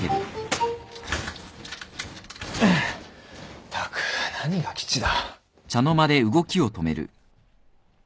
ったく何が基地だ。